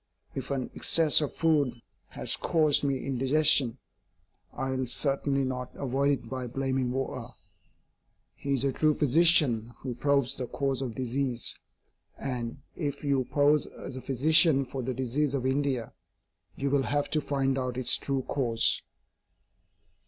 If an excess of food has caused me indigestion, I will certainly not avoid it by blaming water. He is a true physician who probes the cause of disease and, if you pose as a physician for the disease of India, you will have to find out its true cause.